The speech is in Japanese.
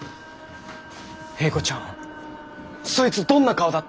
英子ちゃんそいつどんな顔だった？